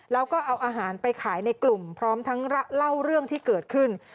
แล้วก็เอาอาหารไปขายในกลุ่มพร้อมทั้งเล่าเรื่องที่เกิดขึ้น